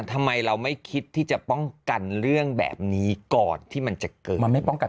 ทำไมเราไม่คิดที่จะป้องกันเรื่องแบบนี้ก่อนที่มันจะเกิดมันไม่ป้องกัน